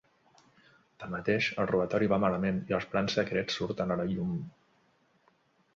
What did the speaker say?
Tanmateix el robatori va malament, i els plans secrets surten a la llum.